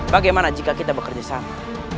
bagaimana jika kita bekerja sama